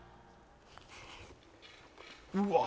うわ